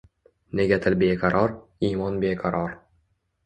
Nega til beqaror, imon beqaror?!